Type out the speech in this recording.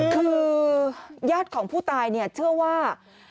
คือญาติของผู้ตายเชื่อว่า